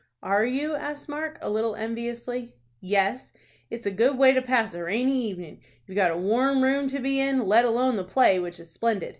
"Are you?" asked Mark, a little enviously. "Yes, it's a good way to pass a rainy evenin'. You've got a warm room to be in, let alone the play, which is splendid.